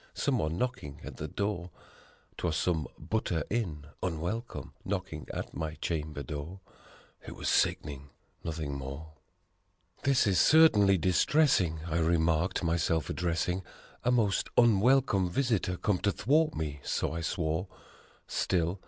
Someone knocking at the door! 'Twas some butter in, unwelcome, knocking at my chamber door It was sick'ning, nothing more. 6 "This is certainly distressing!" I remarked my self addressing "A most unwelcome visitor come to thwart me," so I swore.